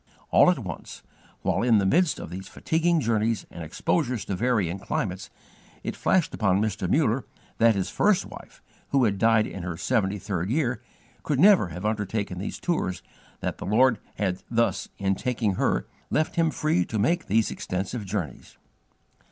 All at once, while in the midst of these fatiguing journeys and exposures to varying climates, it flashed upon Mr. Muller that his first wife, who had died in her seventy third year, could never have undertaken these tours, and that the Lord had thus, in taking her, left him free to make these extensive journeys.